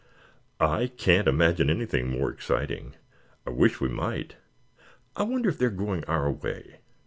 "I can't imagine anything more exciting. I wish we might. I wonder if they are going our way?"